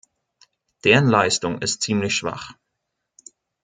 Deren Leistung ist ziemlich schwach.